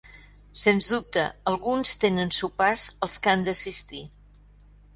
Sens dubte, alguns tenen sopars als que han d'assistir.